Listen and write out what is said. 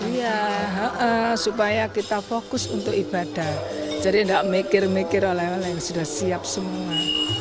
iya supaya kita fokus untuk ibadah jadi tidak mikir mikir oleh oleh yang sudah siap semua